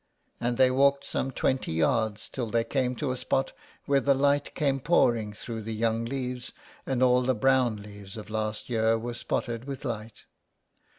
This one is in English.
And they walked some twenty yards, till they came to a spot where the light came pouring through the young leaves, and all the brown leaves of last year were spotted with light.